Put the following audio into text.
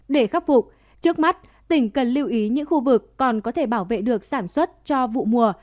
để khắc phục trước mắt tỉnh cần lưu ý những khu vực còn có thể bảo vệ được sản xuất cho vụ mùa